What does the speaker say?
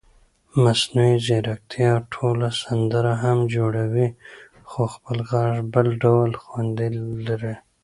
مصنوعي ځیرکتیا ټوله سندره هم جوړوي خو خپل غږ بل ډول خوند لري.